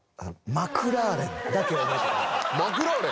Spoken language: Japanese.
「マクラーレン」？